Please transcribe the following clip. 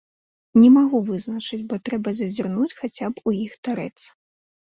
Не магу вызначыць, бо трэба зазірнуць хаця б у іх тарэц.